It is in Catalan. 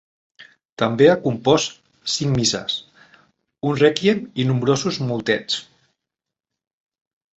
També ha compost cinc misses, un rèquiem i nombrosos motets.